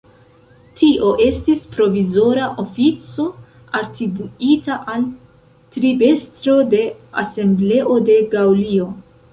Tio estis provizora ofico atribuita al tribestro de Asembleo de Gaŭlio.